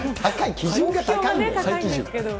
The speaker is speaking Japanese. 基準が高いんですけど。